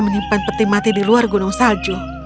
menyimpan peti mati di luar gunung salju